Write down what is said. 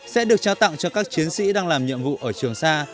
sẽ được trao tặng cho các chiến sĩ đang làm nhiệm vụ ở trường sa